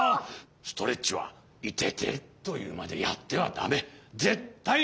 ストレッチはイテテというまでやってはだめ！